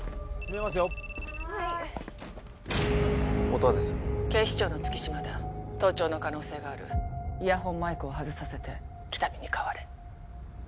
音羽です☎警視庁の月島だ☎盗聴の可能性があるイヤホンマイクを外させて喜多見に代われ